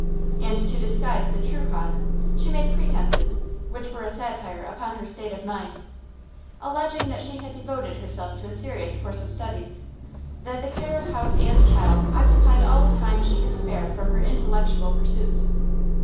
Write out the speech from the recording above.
And to disguise the true cause she made pretences which were a satire upon her state of mind alleging that she had devoted herself to a serious course of studies, that the care of house and child occupied all the time she could spare from her intellectual pursuits.